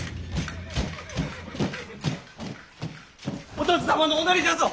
お田鶴様のおなりじゃぞ！